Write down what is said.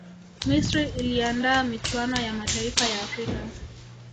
misri iliandaa michuano ya mataifa ya afrika